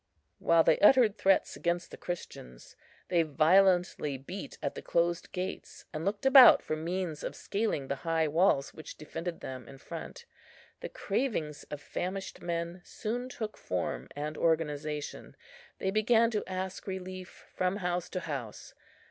while they uttered threats against the Christians; they violently beat at the closed gates, and looked about for means of scaling the high walls which defended them in front. The cravings of famished men soon take form and organization; they began to ask relief from house to house.